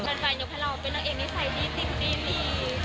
มันกลับให้เราว่าเป็นนักเองนิสัยดีสิ่งดี